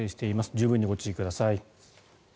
十分にご注意ください。